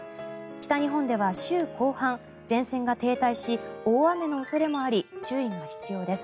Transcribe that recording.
北日本では週後半前線が停滞し大雨の恐れもあり注意が必要です。